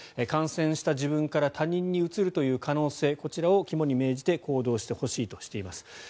感染した自分から他人にうつるという可能性こちらを肝に銘じて行動してほしいとしています。